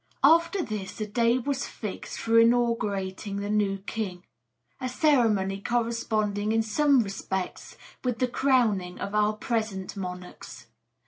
After this a day was fixed for inaugurating the new king, a ceremony corresponding in some respects with the crowning of our present monarchs.